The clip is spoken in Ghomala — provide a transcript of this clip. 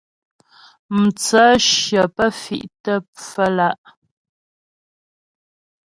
Mtsə̂shyə pə́ fì'tə pfə́lǎ'.